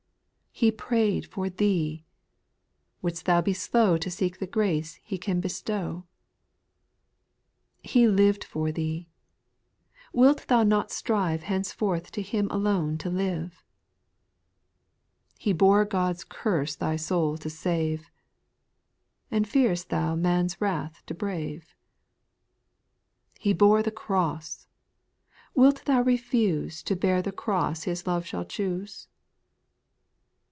He prayed for thee ! Wilt thou be Slow To seek the grace He can bestow ? 2. He lived for thee 1 Wilt thou not strive Henceforth to Ilim alone to live ? He bore God's curse thy soul to save ! And fearest thou man's wTath to brave ? He bore the cross I Wilt thou refuse To bear the cross His love shall choose